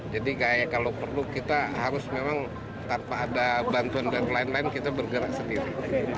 jadi kalau perlu kita harus memang tanpa ada bantuan dan lain lain kita bergerak sendiri